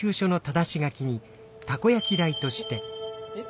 えっ？